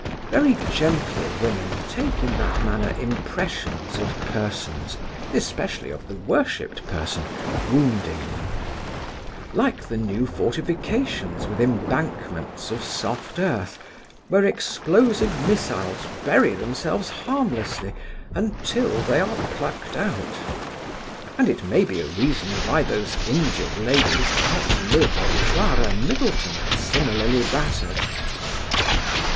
Very gentle women take in that manner impressions of persons, especially of the worshipped person, wounding them; like the new fortifications with embankments of soft earth, where explosive missiles bury themselves harmlessly until they are plucked out; and it may be a reason why those injured ladies outlive a Clara Middleton similarly battered.